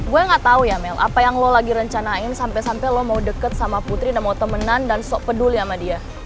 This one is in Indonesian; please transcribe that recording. gue gak tau ya mel apa yang lo lagi rencanain sampai sampai lo mau deket sama putri dan mau temenan dan so peduli sama dia